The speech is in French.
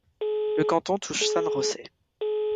Le canton touche San José.